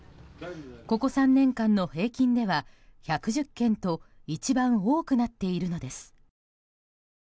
ここ３年間の平均では１１０件と一番多くなっているのです。